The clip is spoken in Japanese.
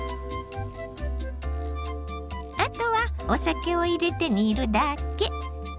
あとはお酒を入れて煮るだけ。